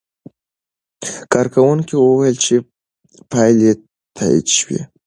کارکوونکي وویل چې پایلې تایید شوې.